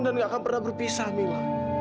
dan gak akan pernah berpisah mila